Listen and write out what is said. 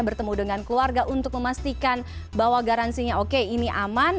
bertemu dengan keluarga untuk memastikan bahwa garansinya oke ini aman